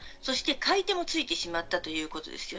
そして買い手もついてしまったということです。